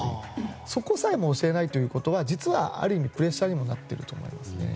そこさえも教えないというのは実はある意味、プレッシャーにもなっていると思いますね。